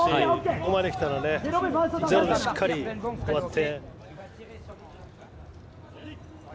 ここまできたらゼロでしっかり終わって。